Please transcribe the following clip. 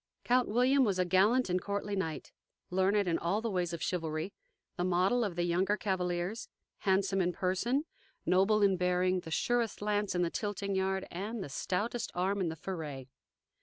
Count William was a gallant and courtly knight, learned in all the ways of chivalry, the model of the younger cavaliers, handsome in person, noble in bearing, the surest lance in the tilting yard, and the stoutest arm in the foray.